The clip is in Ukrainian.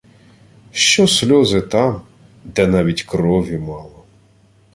Що сльози там, де навіть крові мало!